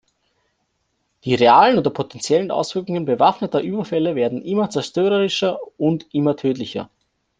Die realen oder potenziellen Auswirkungen bewaffneter Überfälle werden immer zerstörerischer und immer tödlicher.